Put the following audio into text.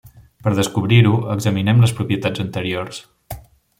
Per descobrir-ho, examinem les propietats anteriors.